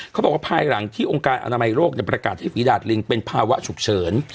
เขาบอกว่าภายหลังที่องค์การอนามัยโรคประกาศให้ฝีดาดลิงเป็นภาวะฉุกเฉิน